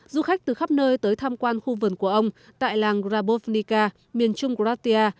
du khách từ khắp nơi tới tham quan khu vườn của ông tại làng grabofnica miền trung gratia